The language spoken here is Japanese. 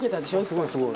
すごいすごい。